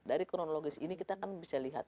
dari kronologis ini kita kan bisa lihat